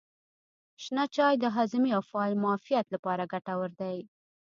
شنه چای د هاضمې او معافیت لپاره ګټور دی.